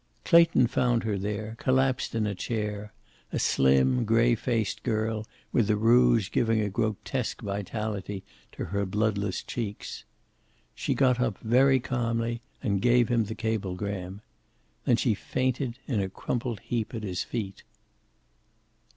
Clayton found her there, collapsed in her chair, a slim, gray faced girl with the rouge giving a grotesque vitality to her bloodless cheeks. She got up very calmly and gave him the cablegram. Then she fainted in a crumpled heap at his feet.